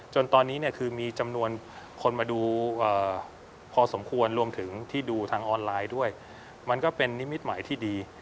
จนตอนนี้เนี่ยคือมีจำนวนคนมาดูพอสมควรรวมถึงที่ดูทางออนไลน์ด้วยมันก็เป็นนิมิตหมายที่ดี